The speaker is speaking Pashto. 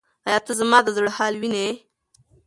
ایا ته زما د زړه حال وینې؟